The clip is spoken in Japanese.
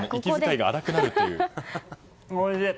おいしい！